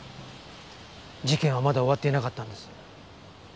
事件はまだ終わっていなかったんです。